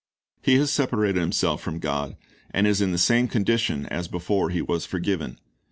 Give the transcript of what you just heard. He has separated himself from God, and is in the same condition as before he was forgiven.